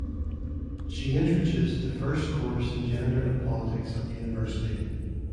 She introduced the first course in gender and politics at the university.